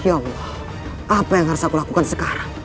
ya allah apa yang harus aku lakukan sekarang